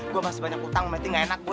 gue masih banyak utang berarti gak enak gue